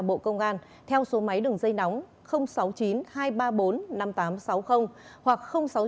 và bộ công an theo số máy đường dây nóng sáu mươi chín hai trăm ba mươi bốn năm nghìn tám trăm sáu mươi hoặc sáu mươi chín hai trăm ba mươi hai một nghìn sáu trăm sáu mươi bảy